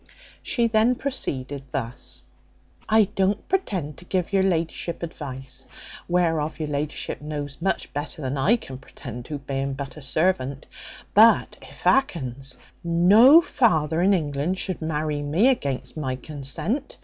She then proceeded thus: "I don't pretend to give your la'ship advice, whereof your la'ship knows much better than I can pretend to, being but a servant; but, i fackins! no father in England should marry me against my consent.